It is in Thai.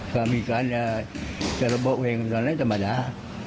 ก็มีการจะระบบเวงตัวเนี้ยธรรมดา